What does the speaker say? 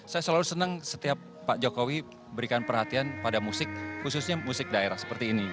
saya selalu senang setiap pak jokowi berikan perhatian pada musik khususnya musik daerah seperti ini